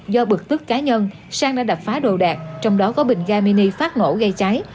do bực tức cá nhân sang đã đập phá đồ đạc trong đó có bình ga mini phát nổ gây cháy